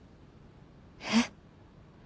えっ！